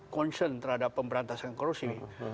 concern terhadap pemberantasan korupsi